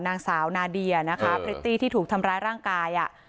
นางสาวนาเดียนะคะที่ถูกทำร้ายร่างกายอ่ะ